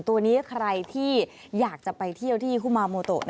ตัวนี้ใครที่อยากจะไปเที่ยวที่ฮุมาโมโต